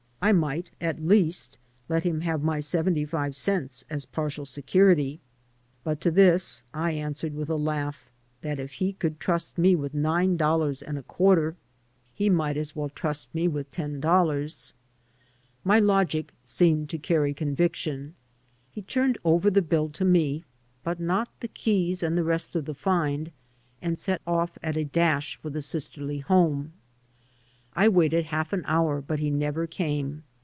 I might at least let him have my seventy five cents as partial security. But to this I answered with a laugh that if he could trust me with nine dollars and a quarter 108 VENTURES AND ADVENTURES he might as well trust me with ten dollars. My logic seemed to carry conviction. He turned over the biU to me (but not the keys and the rest of the find) and set off on a dash for the sisterly home. I waited half an hour, but he never came.